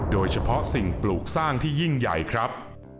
โดยเฉพาะสิ่งปลูกสร้างที่ยิ่งใหญ่ครับ